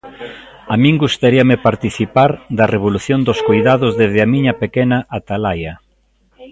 A min gustaríame participar da revolución dos coidados desde a miña pequena atalaia.